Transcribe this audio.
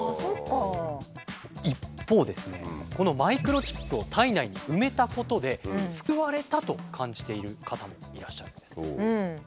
このマイクロチップを体内に埋めたことで救われたと感じている方もいらっしゃるんです。